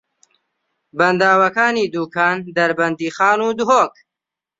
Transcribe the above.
بەنداوەکانی دووکان، دەربەندیخان و دهۆک